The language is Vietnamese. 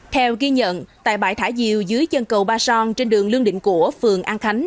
theo ghi nhận tại bãi thả diều dưới chân cầu ba son trên đường lương định của phường an khánh